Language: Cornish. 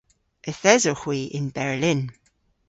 Yth esowgh hwi yn Berlin.